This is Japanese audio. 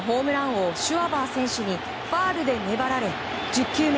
王シュワバー選手にファウルで粘られ、１０球目。